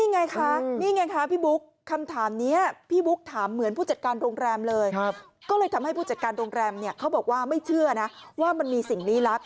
นอนอีกเธอกล้านอนเก่งมากนะ